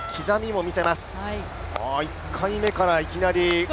１回目からいきなり。